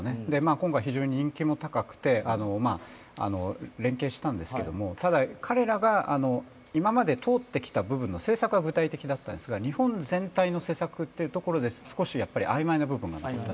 今回非常に人気も高くて連携したんですけどもただ彼らが今まで通ってきた部分の政策は具体的だったんですが日本全体の政策というところで少し曖昧な部分があった。